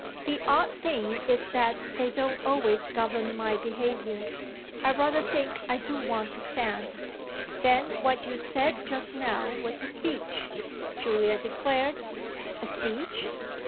The odd thing is that they don't always govern my behaviour. I rather think I do want to stand." "Then what you said just now was a speech," Julia declared. "A speech?"